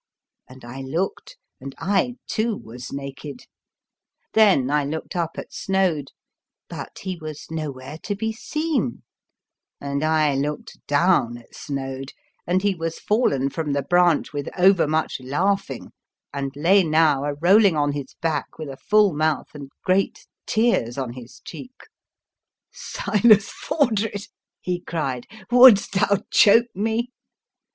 " And I looked, and I too was naked ! Then I looked up at Snoad, but he was nowhere to be seen ; and I looked down at Snoad, and he was fallen from the branch with over much laughing and lay now a rolling on his back with a full mouth and great tears on his cheeks. The Fearsome Island " Silas Fordred! "he cried, "wouldst thou choke me?